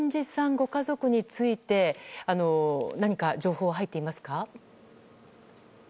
ご家族について何か情報は入っていますか？